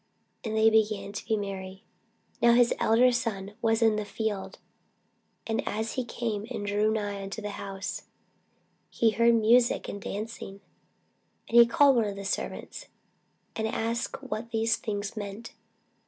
And they began to be merry. Now his elder son was in the field: and as he came and drew nigh to the house, he heard musick and dancing. And he called one of the servants, and asked what these things meant.